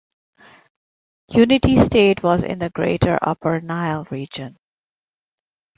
Unity state was in the Greater Upper Nile region.